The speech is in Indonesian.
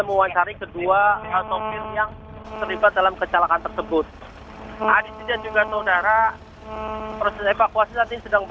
nah disini juga saudara proses evakuasi tadi sedang berlangsung